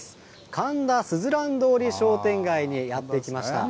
神田すずらん通り商店街にやって来ました。